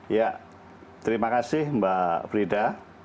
ya terima kasih mbak frida